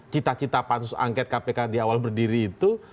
cita cita pansus angket kpk di awal berdiri itu